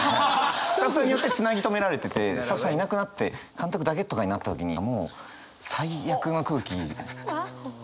スタッフさんによってつなぎ止められててスタッフさんいなくなって監督だけとかになった時にもう最悪の空気ですね。